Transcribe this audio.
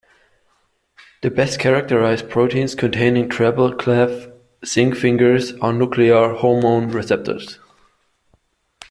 The best-characterized proteins containing treble-clef zinc fingers are the nuclear hormone receptors.